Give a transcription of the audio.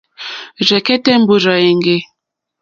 Rzɛ̀kɛ́tɛ́ mbúrzà èŋɡê.